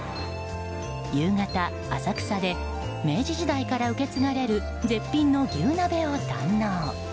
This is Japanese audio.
夕方、浅草で明治時代から受け継がれる絶品の牛鍋を堪能。